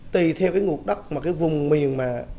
tùy theo cái nguồn đất mà cái vùng miền mà